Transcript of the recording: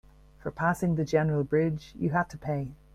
For passing the general bridge, you had to pay.